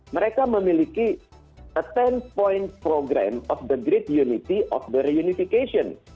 mereka memiliki program sepuluh poin untuk keunifikan